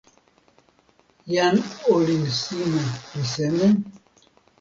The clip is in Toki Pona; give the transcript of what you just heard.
jan olin sina li seme?